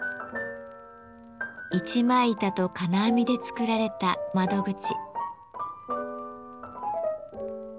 一枚板と金網で作られた窓口。